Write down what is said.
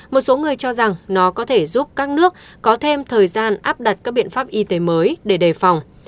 một số người cho rằng nó có thể giúp các nước có thêm thời gian áp đặt các biện pháp y tế mới để đề phòng